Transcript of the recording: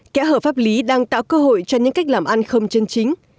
kẽ hở pháp lý đang tạo cơ hội cho những cách làm ăn không chân chính